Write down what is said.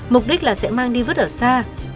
mục đích là sẽ mang đi vứt ở xa